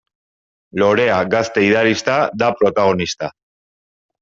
Lorea gazte idealista da protagonista.